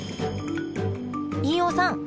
飯尾さん